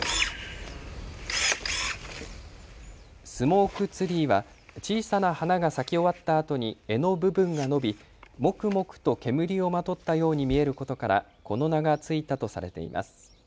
スモークツリーは小さな花が咲き終わったあとに柄の部分が伸び、もくもくと煙をまとったように見えることからこの名がついたとされています。